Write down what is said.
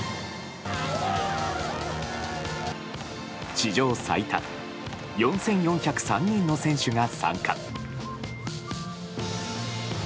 史上最多４４０３人の選手が参加。